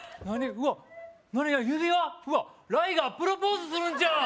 うわっライガープロポーズするんちゃう？